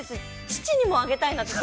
父にもあげたいなと。